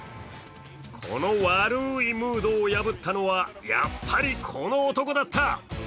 この悪いムードを破ったのは、やっぱりこの男だった。